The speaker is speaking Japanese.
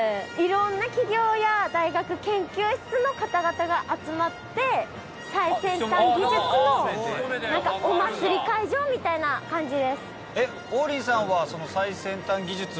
いろんな企業や大学研究室の方々が集まって最先端技術のお祭り会場みたいな感じです。